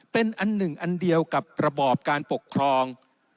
เป็นอันหนึ่งอันเดียวกับระบอบการปกครอง